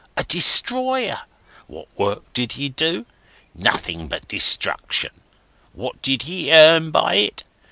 A destroyer. What work did he do? Nothing but destruction. What did he earn by it?